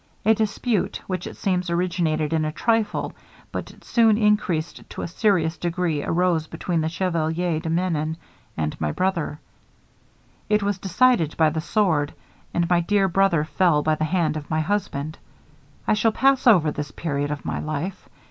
A dispute, which it seems originated in a trifle, but soon increased to a serious degree, arose between the Chevalier de Menon and my brother. It was decided by the sword, and my dear brother fell by the hand of my husband. I shall pass over this period of my life.